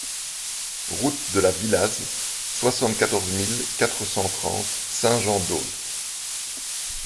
Route de la Villaz, soixante-quatorze mille quatre cent trente Saint-Jean-d'Aulps